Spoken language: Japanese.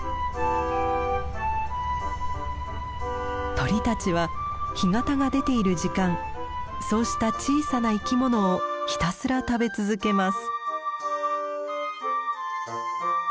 鳥たちは干潟が出ている時間そうした小さな生き物をひたすら食べ続けます。